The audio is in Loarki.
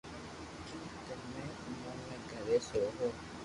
تمي اموني گھري سوھو